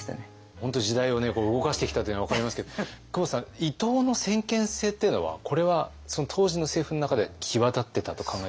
本当時代を動かしてきたというのが分かりますけど久保田さん伊藤の先見性っていうのはこれは当時の政府の中で際立ってたと考えていいですか。